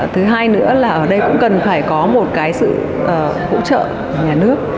thứ hai nữa là ở đây cũng cần phải có một cái sự hỗ trợ nhà nước